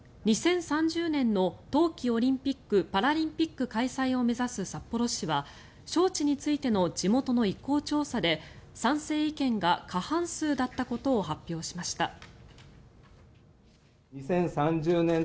２０３０年の冬季オリンピック・パラリンピック開催を目指す札幌市は招致についての地元の意向調査で賛成意見が過半数だったことを発表しました。